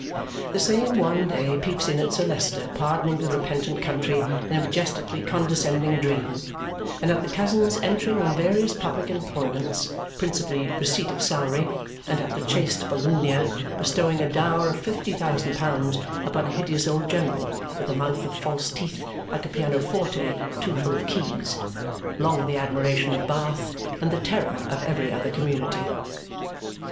The same wan day peeps in at Sir Leicester pardoning the repentant country in a majestically condescending dream; and at the cousins entering on various public employments, principally receipt of salary; and at the chaste Volumnia, bestowing a dower of fifty thousand pounds upon a hideous old general with a mouth of false teeth like a pianoforte too full of keys, long the admiration of Bath and the terror of every other community.